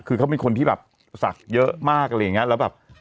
คือเขามีคนที่แบบศักดิ์เยอะมาก